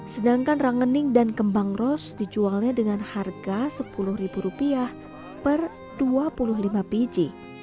sedangkan rangening dan kembang ros dijualnya dengan harga sepuluh rupiah per dua puluh lima biji